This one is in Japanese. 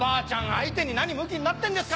相手に何むきになってんですか。